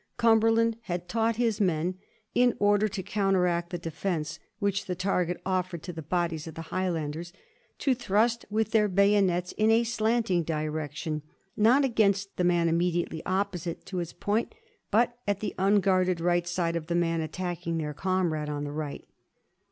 Cumberland had taught his men, in order to counteract the defence which the target offered to the bodies of the Highlanders, to thrust with their bayonets in a slanting direction — not against the man immediately opposite to its point, but at the unguarded right side of the man attacking their comrade on the right.